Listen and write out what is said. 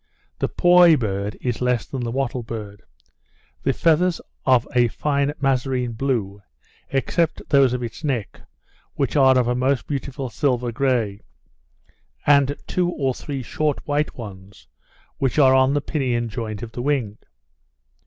The poy bird is less than the wattle bird. The feathers of a fine mazarine blue, except those of its neck, which are of a most beautiful silver grey, and two or three short white ones, which are on the pinion joint of the wing.